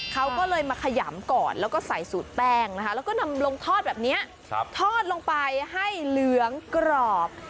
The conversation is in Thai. เขาก็เลยมาขยำก่อนแล้วก็ใส่สูตรแป้งนะคะแล้วก็นำลงทอดแบบนี้ทอดลงไปให้เหลืองกรอบ